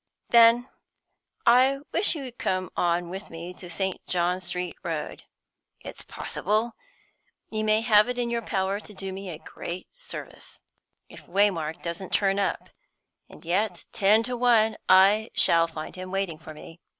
"Then I wish you'd just come on with me to St. John's Street Road. It's possible you may have it in your power to do me a great service, if Waymark doesn't turn up. And yet, ten to one, I shall find him waiting for me.